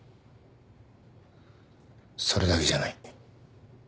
それだけじゃない。